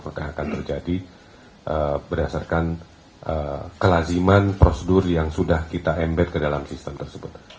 maka akan terjadi berdasarkan kelaziman prosedur yang sudah kita ember ke dalam sistem tersebut